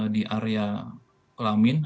di area kelamin